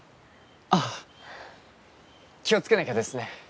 あ気を付けなきゃですね。